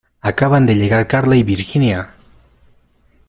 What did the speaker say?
Acaban de llegar Carla y Virginia.